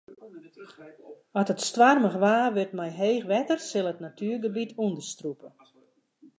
As it stoarmich waar wurdt mei heech wetter sil it natuergebiet ûnderstrûpe.